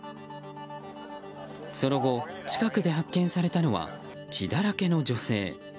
その後、近くで発見されたのは血だらけの女性。